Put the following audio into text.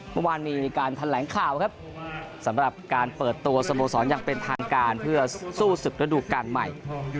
เมื่อวานมีการแถลงข่าวครับสำหรับการเปิดตัวสโมสรอย่างเป็นทางการเพื่อสู้ศึกระดูกการใหม่